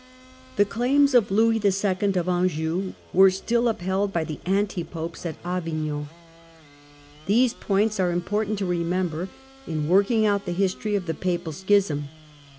The claims of Louis II. of Anjou were still upheld by the Anti popes at Avignon. These points are important to remember in working out the history of the Papal Schism.